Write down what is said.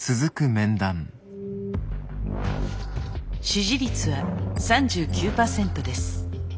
支持率は３９％です。